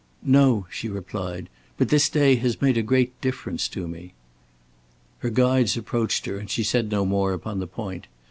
"No," she replied. "But this day has made a great difference to me." Her guides approached her and she said no more upon the point.